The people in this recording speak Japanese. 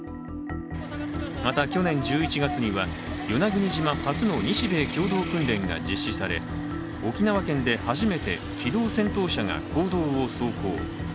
また、去年１１月には与那国島初の日米共同訓練が実施され沖縄県で初めて機動戦闘車が公道を走行。